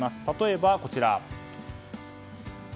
例えばこちら。